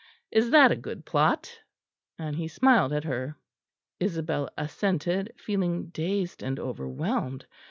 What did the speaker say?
Is that a good plot?" and he smiled at her. Isabel assented, feeling dazed and overwhelmed.